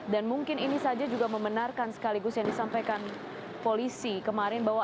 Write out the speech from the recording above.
dan mungkin ini saja juga membenarkan sekaligus yang disampaikan polisi kemarin bahwa